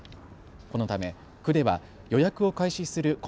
このため区では予約を開始する